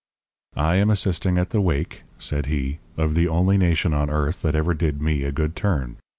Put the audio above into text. "I am assisting at the wake," said he, "of the only nation on earth that ever did me a good turn.